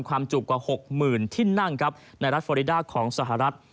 ความจุกกว่าหกหมื่นที่นั่งครับในรัฐฟอริดาของสหรัฐ